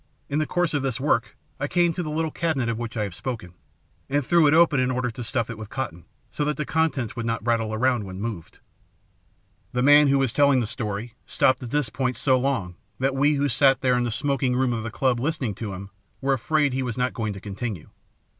In the course of this work I came to the little cabinet of which I have spoken, and threw it open in order to stuff it with cotton, so that the contents would not rattle about when moved." The man who was telling the story stopped at this point so long that we who sat there in the smoking room of the Club listening to him were afraid he was not going to continue.